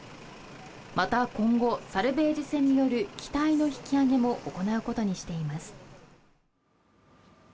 また、今後サルベージ船による機体の引き揚げも行うことにしています。